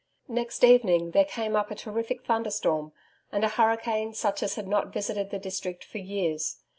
Next evening there came up a terrific thunderstorm, and a hurricane such as had not visited the district for years.